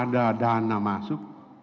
ada dana masuk